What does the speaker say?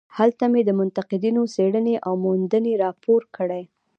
هلته مې د منتقدینو څېړنې او موندنې راپور کړې.